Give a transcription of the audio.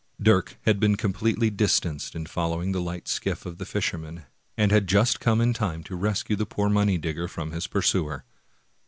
Dirk had been completely distanced in following the light skiff of the fisherman, and had just come in time to rescue the poor money digger from his pursuer.